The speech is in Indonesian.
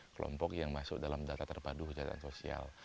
kelompok yang masuk dalam data terpadu kejahatan sosial